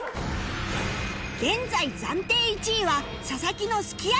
現在暫定１位は佐々木のすき焼きそば